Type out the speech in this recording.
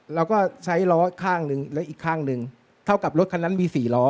เราก็ใช้ล้อข้างหนึ่งและอีกข้างหนึ่งเท่ากับรถคันนั้นมี๔ล้อ